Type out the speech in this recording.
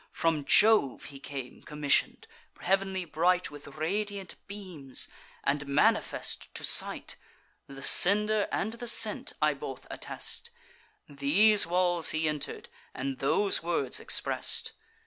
From Jove he came commission'd, heav'nly bright With radiant beams, and manifest to sight (The sender and the sent I both attest) These walls he enter'd, and those words express'd.